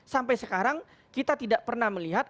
sampai sekarang kita tidak pernah melihat